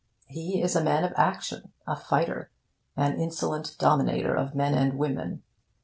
He is a man of action, a fighter, an insolent dominator of men and women.